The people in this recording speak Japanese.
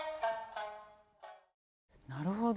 なるほど。